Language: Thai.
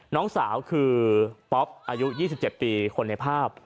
น้องสาวคือป๊อปอายุ๒๗ปีคนในภาพ